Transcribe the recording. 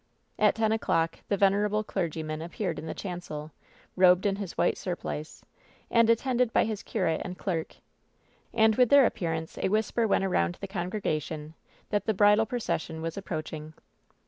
At ten o'clock the venerable clergyman appeared in the chancel, robed in his white surplice, and attended by his curate and clerk, and with their appearance a whis per went around the congregation that the bridal pro cession was approaching.